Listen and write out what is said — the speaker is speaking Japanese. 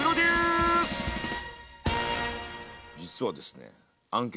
実はですね